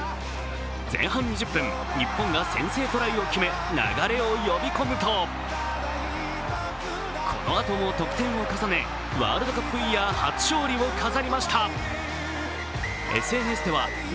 前半２０分、日本が先制トライを決め、流れを呼び込むとこのあとも得点を重ね、ワールドカップイヤー初勝利を飾りました。